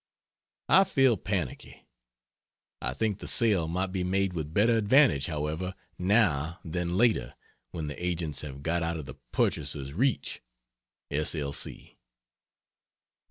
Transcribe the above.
I feel panicky. I think the sale might be made with better advantage, however, now, than later when the agents have got out of the purchaser's reach. S. L.